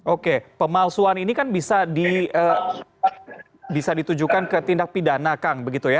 oke pemalsuan ini kan bisa ditujukan ke tindak pidana kang begitu ya